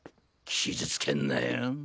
傷つけんなよ。